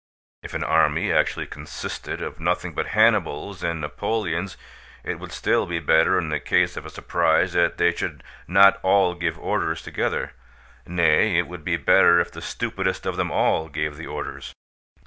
If an army actually consisted of nothing but Hanibals and Napoleons, it would still be better in the case of a surprise that they should not all give orders together. Nay, it would be better if the stupidest of them all gave the orders.